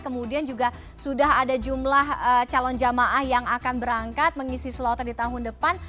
kemudian juga sudah ada jumlah calon jamaah yang akan berangkat mengisi sloter di tahun depan